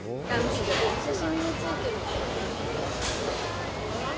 お刺身も付いてる。